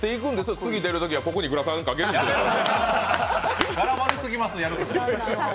次出るときはここにグラサンかけてガラ悪すぎます。